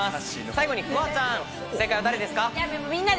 最後にフワちゃん正解は誰ですか？